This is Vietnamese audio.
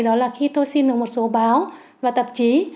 đó là khi tôi xin được một số báo và tạp chí